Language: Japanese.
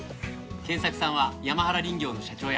賢作さんは山原林業の社長や。